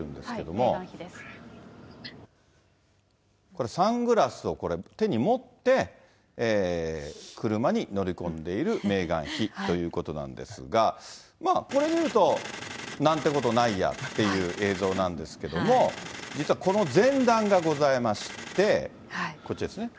これ、サングラスを手に持って、車に乗り込んでいるメーガン妃ということなんですが、これ見ると、なんてことないやって映像なんですけれども、実はこの前段がございまして、こっちですね。